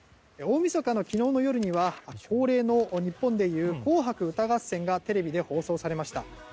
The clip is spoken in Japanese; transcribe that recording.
大みそかの昨日の夜には恒例の日本でいう「紅白歌合戦」がテレビで放送されました。